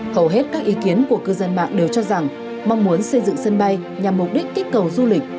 hầu hết các ý kiến của cư dân mạng đều cho rằng mong muốn xây dựng sân bay nhằm mục đích kích cầu du lịch